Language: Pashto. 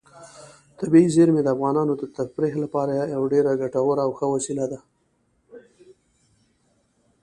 طبیعي زیرمې د افغانانو د تفریح لپاره یوه ډېره ګټوره او ښه وسیله ده.